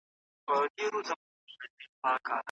تاسي کولای شئ په کتابتون کې د ساینس کتابونه ومومئ.